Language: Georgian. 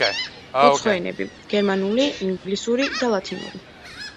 უცხო ენები: გერმანული, ინგლისური და ლათინური.